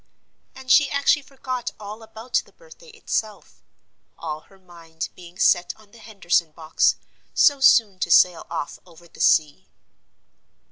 And she actually forgot all about the birthday itself; all her mind being set on the Henderson box, so soon to sail off over the sea.